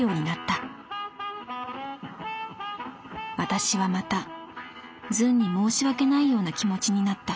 私はまたズンに申し訳ないような気持ちになった」。